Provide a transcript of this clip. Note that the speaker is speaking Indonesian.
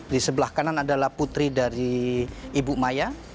di sebelah kanan adalah putri dari ibu maya